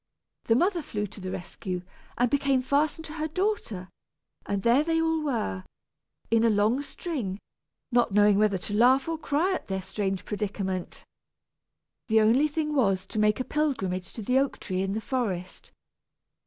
The mother flew to the rescue, and became fastened to her daughter; and there they all were, in a long string, not knowing whether to laugh or cry at their strange predicament. The only thing was to make a pilgrimage to the oak tree in the forest.